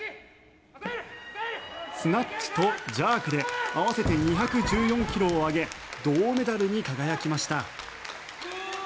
スナッチとジャークで合わせて２１４ｋｇを上げ銅メダルに輝きました。